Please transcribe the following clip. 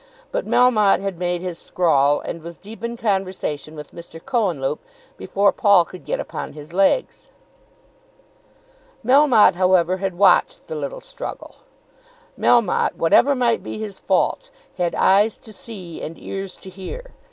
But Melmotte had made his scrawl, and was deep in conversation with Mr. Cohenlupe before Paul could get upon his legs. Melmotte, however, had watched the little struggle. Melmotte, whatever might be his faults, had eyes to see and ears to hear.